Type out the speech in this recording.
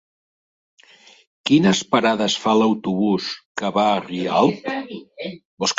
Quines parades fa l'autobús que va a Rialp?